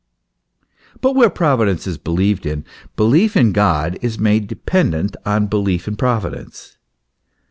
But where Providence is believed in, belief in God is made dependent on belief in Providence.